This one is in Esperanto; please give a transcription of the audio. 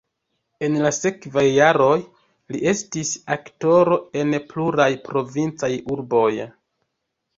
En la sekvaj jaroj li estis aktoro en pluraj provincaj urboj.